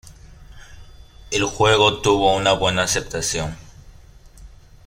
El juego tuvo una buena aceptación.